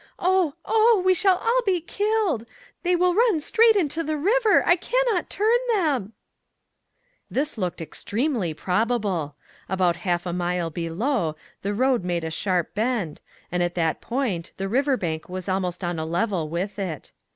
Oh! oh! we shall all be killed. They will run right straight into the river; I can not turn them !" This looked extremely probable. About half a mile below, the road made a sharp bend, and at that point the river bank was almost on a level with it.